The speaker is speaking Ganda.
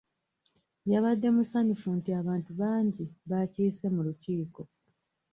Yabadde musanyufu nti abantu bangi bakiise mu lukiiko.